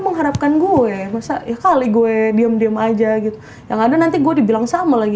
mengharapkan gue masa ya kali gue diem diem aja gitu yang ada nanti gue dibilang sama lagi